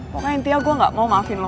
pokoknya intinya gue gak mau maafin loh